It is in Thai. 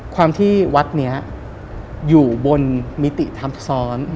ความที่วัดนี้อยู่บนมิติธรรมทศ